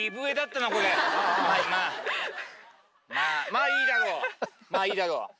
まぁいいだろうまぁいいだろう。